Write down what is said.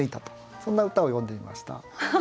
そんな歌を詠んでみました。